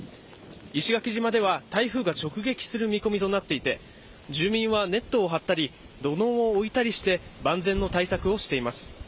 石垣島では、台風が直撃する見込みとなっていて住民はネットを張ったり土のうを置いたりして万全の対策をしています。